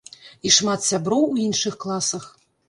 І шмат сяброў у іншых класах.